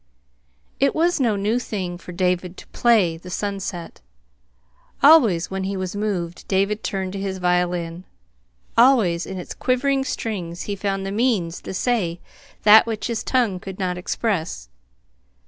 It was no new thing for David to "play" the sunset. Always, when he was moved, David turned to his violin. Always in its quivering strings he found the means to say that which his tongue could not express.